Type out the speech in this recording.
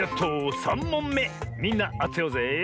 ３もんめみんなあてようぜえ。